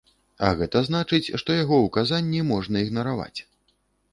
А гэта значыць, што яго ўказанні можна ігнараваць.